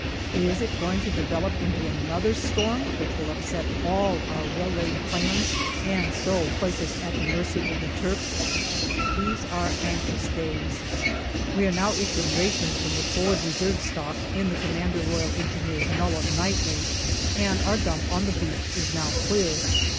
Is it going to develop into another storm which will upset all our well laid plans and so place us at the mercy of the Turk ? These are anxious days. We are now issuing rations from the forward reserve stock in the C.R.E. nullah nightly, and our dump on the beach is now clear.